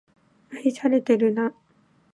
愛されてるな